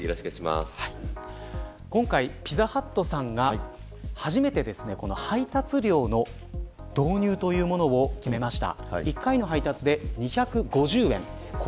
今回、ピザハットさんが初めて、配達料の導入というものを決めました。